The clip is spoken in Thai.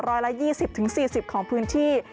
ร้อยละ๒๐๔๐ของพื้นที่